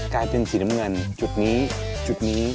กลายเป็นสีน้ำเงินจุดนี้จุดนี้